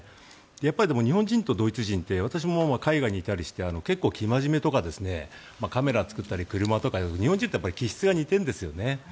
やっぱり日本人とドイツ人って私も海外にいたりして結構、生真面目とかカメラを作ったり、車とか日本人と気質が似てるんですよね。